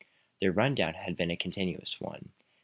Their run down had been a continuous one.